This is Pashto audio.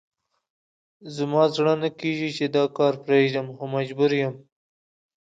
زما زړه نه کېږي چې دا کار پرېږدم، خو مجبور یم.